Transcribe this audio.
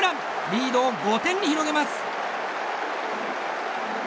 リードを５点に広げます。